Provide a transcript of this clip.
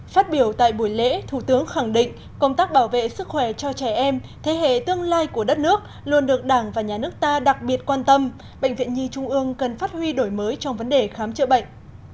phát biểu tại buổi lễ thủ tướng khẳng định công tác bảo vệ sức khỏe cho trẻ em thế hệ tương lai của đất nước luôn được đảng và nhà nước ta đặc biệt quan tâm bệnh viện nhi trung ương cần phát huy đổi mới trong vấn đề khám chữa bệnh